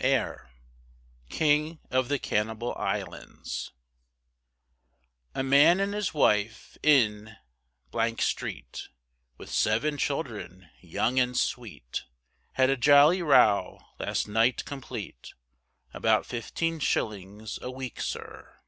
Air: "King of the Cannibal Islands" A man and his wife in street, With seven children young and sweet, Had a jolly row last night complete, About fifteen shillings a week, sir.